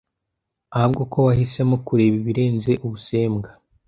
ahubwo ko wahisemo kureba ibirenze ubusembwa.